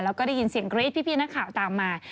แล้วก็ได้ยินเสียงกรี๊ดพี่นักข่าวตามมา